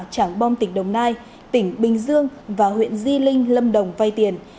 trảng bom tỉnh đồng nai tỉnh bình dương và huyện di linh lâm đồng vay tiền